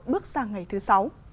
bước sang ngày thứ sáu